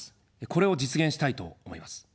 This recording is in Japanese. これを実現したいと思います。